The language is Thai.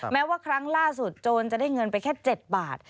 แม้ว่าครั้งล่าสุดโจรจะได้เงินไปแค่๗บาท